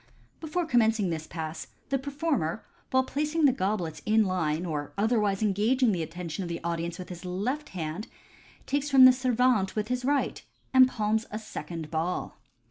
— Before commencing this Pass, the performer, while placing the goblets in line, or otherwise engaging the attention of the audience with his left hand, takes from the servante with his right, and palms, a second ball.